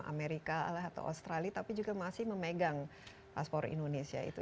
amerika atau australia tapi juga masih memegang paspor indonesia itu